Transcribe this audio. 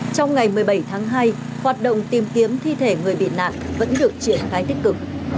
trong ngày một mươi bảy tháng hai hoạt động tìm kiếm thi thể người bị nạn vẫn được triển khai tích cực